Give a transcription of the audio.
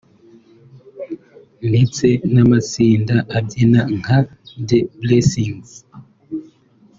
ndetse n’amatsinda abyina nka The Blessings